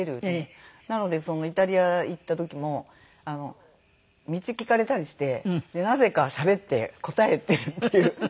なのでイタリア行った時も道聞かれたりしてなぜかしゃべって答えてるっていう。